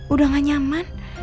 udah gak nyaman